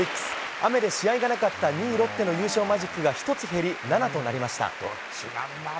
雨で試合がなかった２位ロッテの優勝マジックが１つ減り、７となりました。